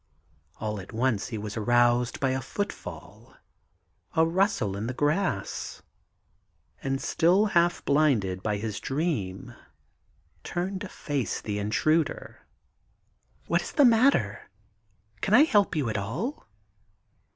All at once he was aroused by a foot fall, a rustle in the grass, and still half blinded by his dream, turned to face the intruder. 20 THE GARDEN GOD ' What is the matter ? Can I help you at all